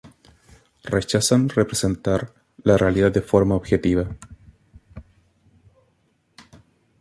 Rechazan representar la realidad de forma objetiva.